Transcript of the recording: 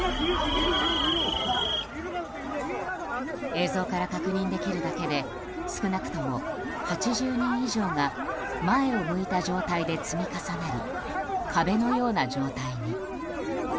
映像から確認できるだけで少なくとも８０人以上が前を向いた状態で積み重なり壁のような状態に。